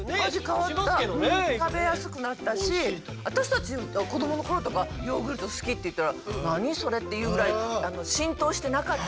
食べやすくなったし私たち子どもの頃とか「ヨーグルト好き」って言ったら「何それ？」っていうぐらい浸透してなかった。